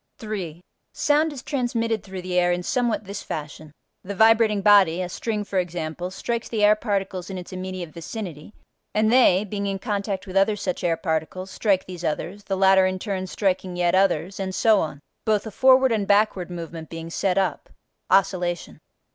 3. Sound is transmitted through the air in somewhat this fashion: the vibrating body (a string for example) strikes the air particles in its immediate vicinity, and they, being in contact with other such air particles, strike these others, the latter in turn striking yet others, and so on, both a forward and backward movement being set up (oscillation).